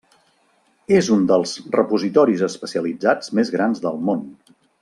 És un dels repositoris especialitzats més grans del món.